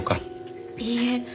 いいえ。